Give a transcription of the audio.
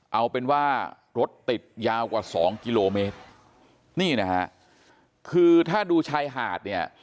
เอาเป็นว่ารถติดยาวกว่าสองกิโลเมตรนี่นะฮะคือถ้าดูชายหาดเนี่ย